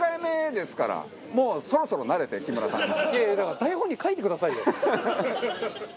いやいやだから台本に書いてくださいよ！